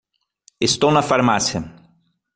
Estou na farmácia.